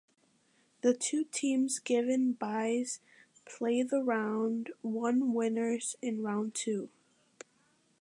The two teams given byes play the round one winners in round two.